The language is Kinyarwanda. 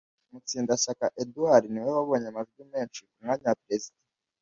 mutsindashyaka eduard niwe wabonye amajwi menshi ku mwanya wa perezida